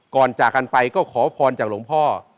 จากกันไปก็ขอพรจากหลวงพ่อ